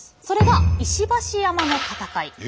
それが石橋山の戦い。